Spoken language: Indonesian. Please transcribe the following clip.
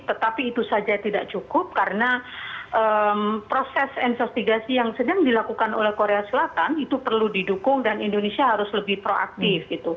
tetapi itu saja tidak cukup karena proses investigasi yang sedang dilakukan oleh korea selatan itu perlu didukung dan indonesia harus lebih proaktif